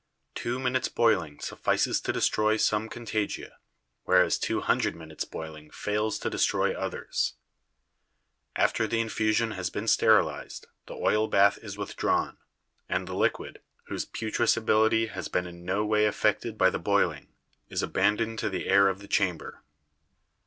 Two min utes' boiling suffices to destroy some contagia, whereas two hundred minutes' boiling fails to destroy others. After the infusion has been sterilized, the oil bath is withdrawn, and the liquid, whose putrescibility has been in no way affected by the boiling, is abandoned to the air of the chamber.